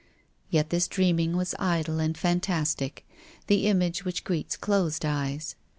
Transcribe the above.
Yet this dreaming was idle and fantastic, the image which greets closed eyes.